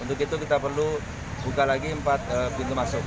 untuk itu kita perlu buka lagi empat pintu masuk